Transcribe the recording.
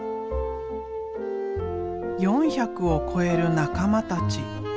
４００を超える仲間たち。